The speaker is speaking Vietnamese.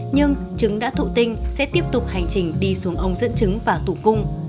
nhưng trứng đã thụ tinh sẽ tiếp tục hành trình đi xuống ống dẫn trứng và tử cung